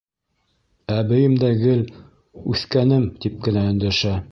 Әбейем дә гел «үҫкәнем» тип кенә өндәшә.